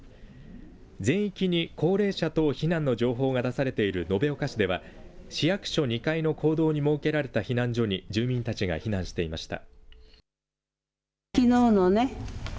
全域に高齢者等避難の情報が出されている延岡市では市役所２階の講堂に設けられた避難所に住民たちが避難していました。